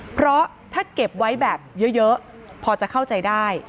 เพราะถ้าเก็บไว้แบบเยอะพอจะเข้าใจได้